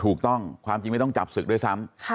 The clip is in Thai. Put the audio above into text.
ถูกต้องความจริงไม่ต้องจับศึกด้วยซ้ำ